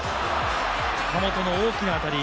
岡本の大きな当たり。